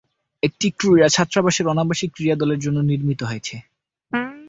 একটি ক্রীড়া ছাত্রাবাস অনাবাসিক ক্রীড়া দলের জন্য নির্মিত হয়েছে।